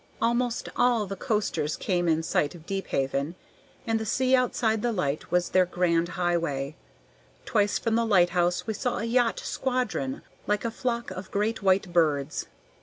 Almost all the coasters came in sight of Deephaven, and the sea outside the light was their grand highway. Twice from the lighthouse we saw a yacht squadron like a flock of great white birds.